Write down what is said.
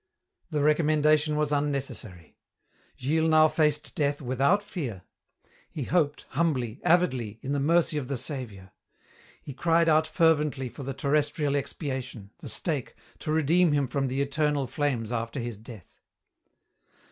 The recommendation was unnecessary. Gilles now faced death without fear. He hoped, humbly, avidly, in the mercy of the Saviour. He cried out fervently for the terrestrial expiation, the stake, to redeem him from the eternal flames after his death.